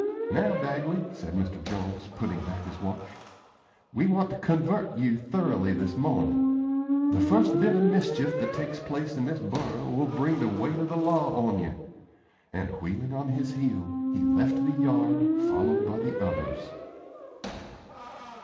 "Now, Bagley," said Mr. Jones, putting back his watch, "we want to convert you thoroughly this mornin'. The first bit of mischief that takes place in this borough will bring the weight of the law on you;" and, wheeling on his heel, he left the yard, followed by the others.